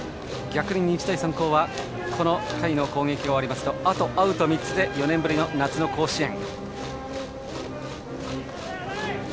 逆に日大三高はこの回の攻撃が終わるとあとアウト３つで４年ぶりの夏の甲子園。